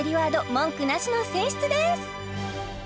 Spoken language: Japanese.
文句なしの選出です！